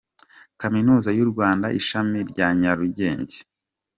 Kaminuza yu rwanda ishami rya nyarugenge.